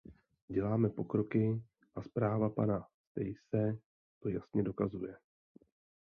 Děláme pokroky a zpráva pana Staesa to jasně dokazuje.